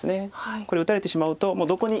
これ打たれてしまうともうどこに。